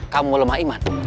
kamu lemah iman